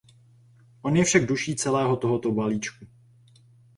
On je však duší celého tohoto balíčku.